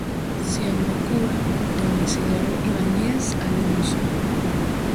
Siendo cura don Isidoro Ibáñez Alonso.